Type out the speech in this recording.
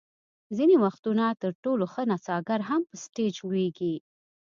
ځینې وختونه تر ټولو ښه نڅاګر هم په سټېج لویږي.